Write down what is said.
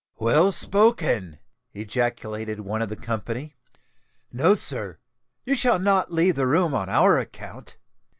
"Well spoken!" ejaculated one of the company. "No, sir—you shall not leave the room on our account.